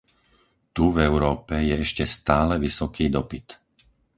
Tu, v Európe, je ešte stále vysoký dopyt.